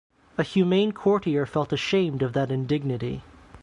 A humane courtier felt ashamed of that indignity.